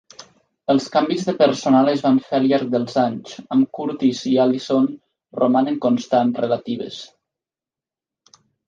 Els canvis de personal es van fer al llarg dels anys, amb Curtis i Allison romanen constants relatives.